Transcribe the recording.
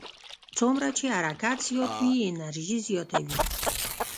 څومره چې حرکت زیات وي انرژي زیاته وي.